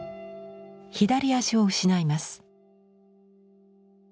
左足を失います。